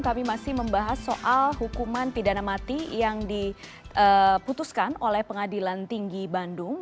kami masih membahas soal hukuman pidana mati yang diputuskan oleh pengadilan tinggi bandung